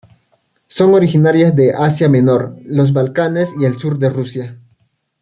Son originarias de Asia Menor, los Balcanes y el sur de Rusia.